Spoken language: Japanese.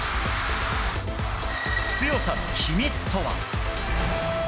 強さの秘密とは。